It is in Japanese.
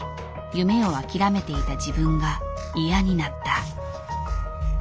夢を諦めていた自分が嫌になった。